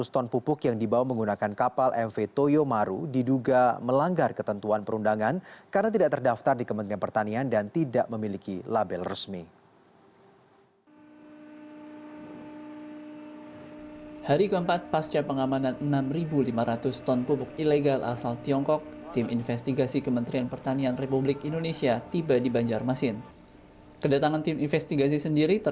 enam lima ratus ton pupuk yang dibawa menggunakan kapal mv toyomaru diduga melanggar ketentuan perundangan karena tidak terdaftar di kementerian pertanian dan tidak memiliki label resmi